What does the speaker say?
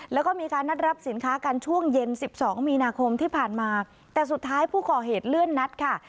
แล้วก็มีการนัดรับสินค้ากันช่วงเย็นสิบสองมีนาคมที่ผ่านมาแต่สุดท้ายผู้ก่อเหตุเลื่อนนัดค่ะ